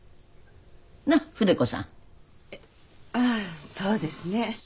えああそうですね。